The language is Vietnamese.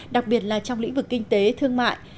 đặc biệt là trong lĩnh vực kinh tế thương mại